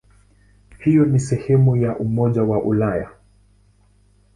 Hivyo ni sehemu ya Umoja wa Ulaya.